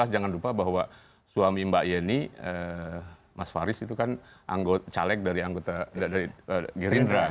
jangan lupa bahwa suami mbak yeni mas faris itu kan caleg dari anggota dari gerindra